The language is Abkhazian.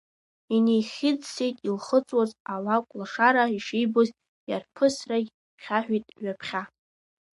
Инеихьыӡсеит илхылҵуаз алакәлашара, ишибоз иарԥысрагь хьаҳәит ҩаԥхьа.